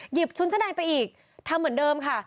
ชุดชั้นในไปอีกทำเหมือนเดิมค่ะ